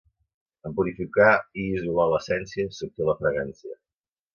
En purificar i isolar l'essència s'obté la fragància.